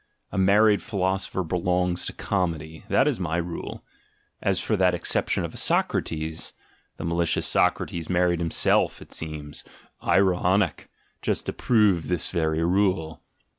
A married philosopher belongs to comedy, that is my rule; as for that exception io8 THE GENEALOGY OF MORALS of a Socrates — the malicious Socrates married himself, it seems, ironice, just to prove this very rule.